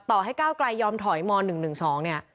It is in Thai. ต่อให้ก้าวไกลยอมถอยม๑๑๒เนี่ย